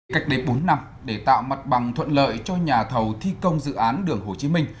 cách đây bốn năm để tạo mặt bằng thuận lợi cho nhà thầu thi công dự án đường hồ chí minh